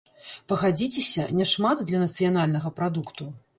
Пагадзіцеся, няшмат для нацыянальнага прадукту.